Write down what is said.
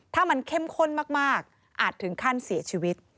ถ้ามันเข้มข้นมากอาจถึงขั้นเสียชีวิต